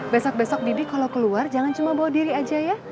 besok besok didi kalau keluar jangan cuma bawa diri aja ya